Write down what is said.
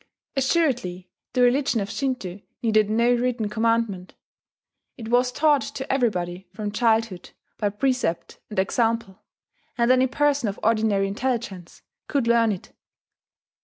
Assuredly the religion of Shinto needed no written commandment: it was taught to everybody from childhood by precept and example, and any person of ordinary intelligence could learn it.